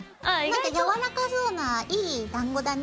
なんかやわらかそうないいだんごだね。